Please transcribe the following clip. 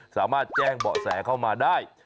สามารถแจ้งเบาะแสเข้ามาได้